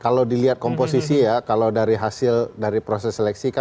kalau dilihat komposisi ya kalau dari hasil dari proses seleksi kan enam tiga untuk keberpihakan